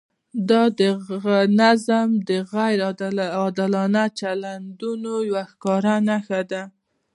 دا د نظام د غیر عادلانه چلندونو یوه ښکاره نښه ده.